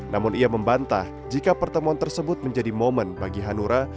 namun ia membantah jika pertemuan tersebut menjadi momen bagi hanura